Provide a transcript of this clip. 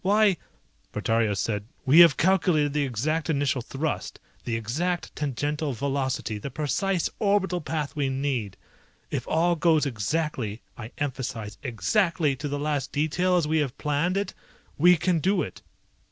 Why ..." Portario said, "We have calculated the exact initial thrust, the exact tangential velocity, the precise orbital path we need. If all goes exactly, I emphasize, exactly, to the last detail as we have planned it we can do it!